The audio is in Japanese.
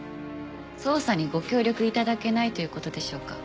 捜査にご協力頂けないという事でしょうか？